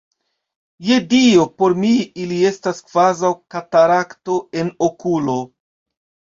Je Dio, por mi ili estas kvazaŭ katarakto en okulo!